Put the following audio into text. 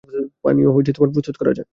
পানীয় প্রস্তুত করা যাক!